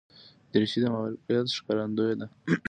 دریشي د معرفت ښکارندوی ده.